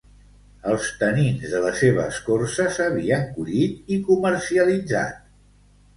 Els tanins de la seva escorça s'havien collit i comercialitzat.